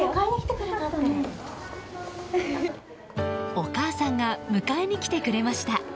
お母さんが迎えに来てくれました。